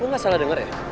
gua gak salah denger ya